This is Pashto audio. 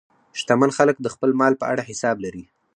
شتمن خلک د خپل مال په اړه حساب لري.